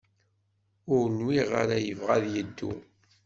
Ur nwiɣ ara yebɣa ad yeddu.